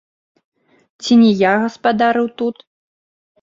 Ці я не гаспадарыў тут?